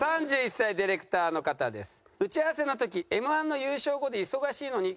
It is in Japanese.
３１歳ディレクターの方です。